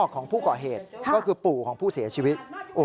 ก็คือปู่ของผู้เสียชีวิต